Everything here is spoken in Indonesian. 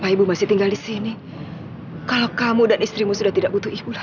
ibu aku butuh aku butuh ibu